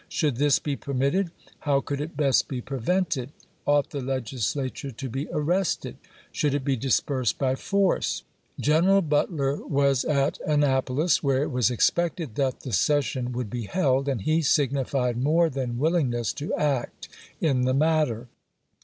Should this be permitted? How could it best be prevented? Ought the Legislature to be arrested ? Should it be dispersed by force ? General Butler was at An napolis, where it was expected that the session would be held, and he signified more than willing ness to act in the matter.